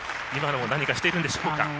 今のも何かしてるんでしょうか。